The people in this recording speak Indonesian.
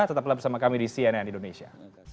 tetaplah bersama kami di cnn indonesia